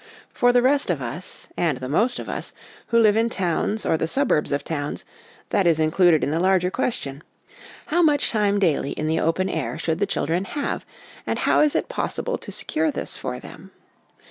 For the rest of us, and the most of us, who live in towns or the suburbs of towns, that is included in the larger question How much time daily in the open air should the children have ? and how is it possible to secure this for them?